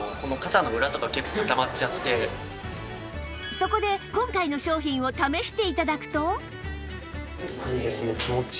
そこで今回の商品を試して頂くと